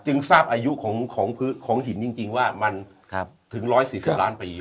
ทราบอายุของหินจริงว่ามันถึง๑๔๐ล้านปี